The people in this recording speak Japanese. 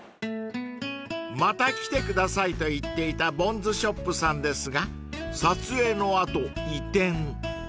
［また来てくださいと言っていたＢＯＮＺＳＨＯＰさんですが撮影の後移転］